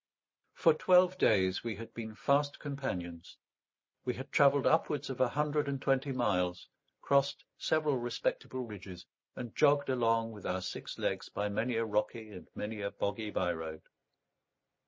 For twelve days we had been fast companions; we had travelled upwards of a hundred and twenty miles, crossed several respectable ridges, and jogged along with our six legs by many a rocky and many a boggy by road.